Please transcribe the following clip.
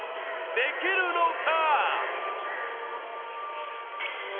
できるのか？